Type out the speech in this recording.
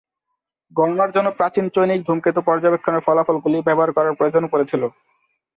গণনার জন্য প্রাচীন চৈনিক ধূমকেতু পর্যবেক্ষণের ফলাফলগুলি ব্যবহার করার প্রয়োজন পড়েছিল।